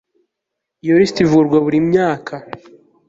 iyo lisiti ivugururwa buri myaka